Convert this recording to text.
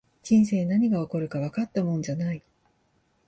人生、何が起こるかわかったもんじゃない